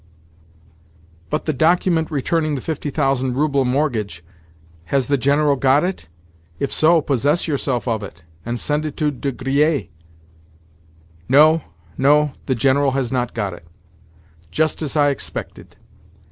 "But the document returning the fifty thousand rouble mortgage—has the General got it? If so, possess yourself of it, and send it to De Griers." "No, no; the General has not got it." "Just as I expected!